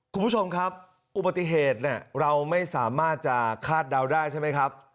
คุณผู้ชมครับอุบัติเหตุเราไม่สามารถจะคาดเดาได้ใช่ไหมครับ